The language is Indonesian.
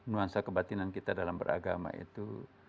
nuansa kebatinan kita dalam beragama itu